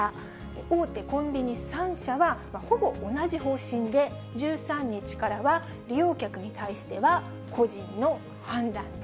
大手コンビニ３社は、ほぼ同じ方針で、１３日からは利用客に対しては個人の判断で。